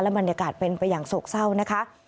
บรรยากาศเป็นไปอย่างโศกเศร้านะคะ